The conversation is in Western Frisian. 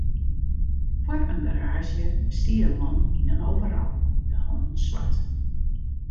Foar in garaazje stie in man yn in overal, de hannen swart.